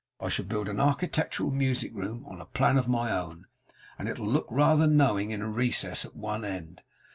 I shall build an architectural music room on a plan of my own, and it'll look rather knowing in a recess at one end.